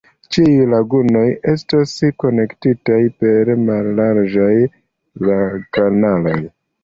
Ĉiuj lagunoj estas konektitaj per mallarĝaj kanaloj.